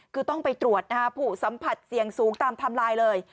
คือต้องไปตรวจนะฮะผู้สัมผัสเสี่ยงสูงตามไทม์ไลน์เลย